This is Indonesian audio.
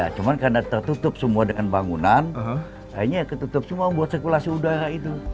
cuma karena tertutup semua dengan bangunan akhirnya ketutup semua buat sirkulasi udara itu